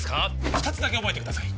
二つだけ覚えてください